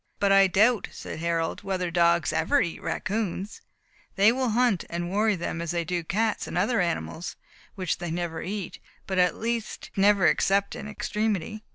"But I doubt," said Harold, "whether dogs ever eat raccoons. They will hunt and worry them as they do cats and other animals, which they never eat, at least never except in extremity."